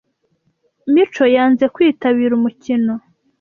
mico yanze kwitabira umukino.